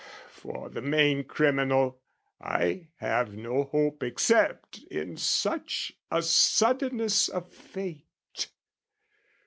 For the main criminal I have no hope Except in such a suddenness of fate.